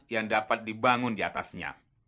yang dapat dibangun di atasnya